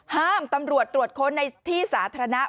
ตำรวจตรวจค้นในที่สาธารณะ